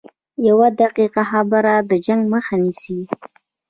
یوه دقیقه خبره د جنګ مخه نیسي